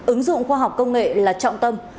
ứng dụng khoa học công nghệ là trọng tâm